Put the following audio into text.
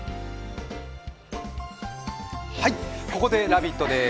はいっ、ここで「ラヴィット！」です